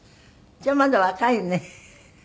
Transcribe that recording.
じゃあまだ若いね。